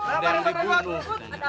ada yang dibunuh